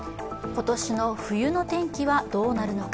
今年の冬の天気はどうなるのか。